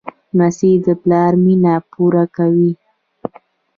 لمسی د پلار مینه پوره کوي.